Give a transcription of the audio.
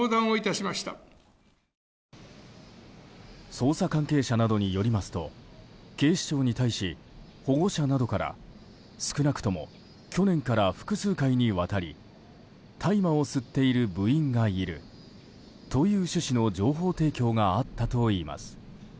捜査関係者などによりますと警視庁に対し保護者などから、少なくとも去年から複数回にわたり大麻を吸っている部員がいるという趣旨の情報提供があったといいます。